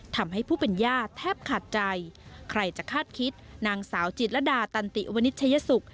ทำให้ผู้เป็นย่าแทบขาดใจใครจะคาดคิดนางสาวจิตรดาตันติวนิชยสุข